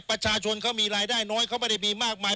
ประชาชนเขามีรายได้น้อยเขาไม่ได้มีมากมาย